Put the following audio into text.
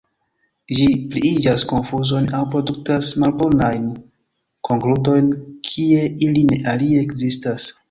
Ĝi pliigas konfuzon aŭ produktas malbonajn konkludojn kie ili ne alie ekzistas.